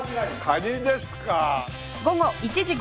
カニですか。